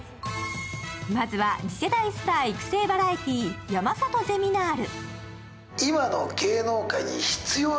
まずは次世代スター育成バラエティ「山里ゼミナール」。